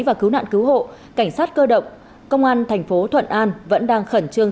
và cứu nạn cứu hộ cảnh sát cơ động công an tp thuận an vẫn đang khẩn trương